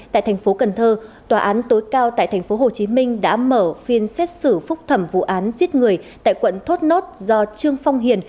tại thành phố cần thơ tòa án tối cao tại thành phố hồ chí minh đã mở phiên xét xử phúc thẩm vụ án giết người tại quận thốt nốt do trương phong hiền